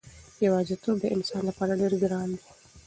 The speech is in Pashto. یوازېتوب د انسان لپاره ډېر ګران دی.